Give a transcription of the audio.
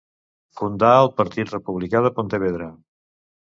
Fundà el Partit Republicà de Pontevedra.